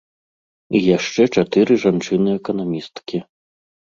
І яшчэ чатыры жанчыны эканамісткі.